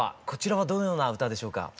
こちらはどのような歌でしょうか？